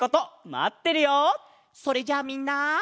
それじゃあみんな。